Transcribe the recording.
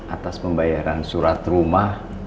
atas pembayaran surat rumah